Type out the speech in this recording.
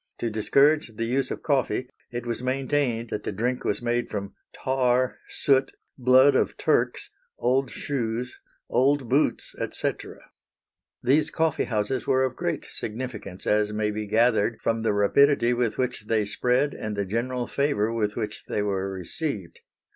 To discourage the use of coffee it was maintained that the drink was made from tar, soot, blood of Turks, old shoes, old boots, etc. These coffee houses were of great significance, as may be gathered from the rapidity with which they spread and the general favor with which they were received.